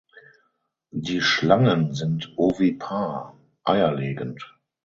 Die Schlangen sind ovipar (eierlegend).